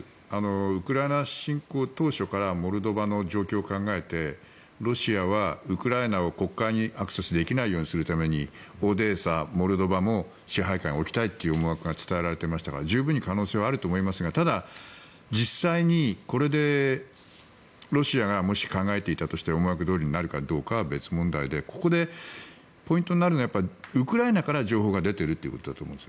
ウクライナ侵攻当初からモルドバの状況を考えてロシアはウクライナを黒海にアクセスできないようにするためにオデーサ、モルドバも支配下に置きたいという思惑が伝えられていましたから十分に可能性はあると思いますがただ、実際にこれでロシアがもし考えていたとして思惑どおりになるかは別問題でここでポイントになるのはウクライナから情報が出ているということだと思うんです。